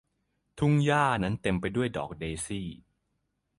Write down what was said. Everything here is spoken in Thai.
ทุ่งหญ้านั้นเต็มไปด้วยดอกเดซี่